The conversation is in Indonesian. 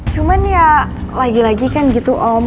cuman ya lagi lagi kan gitu om